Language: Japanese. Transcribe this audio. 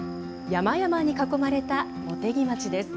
山々に囲まれた茂木町です。